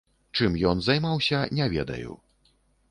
Чым ён займаўся, не ведаю.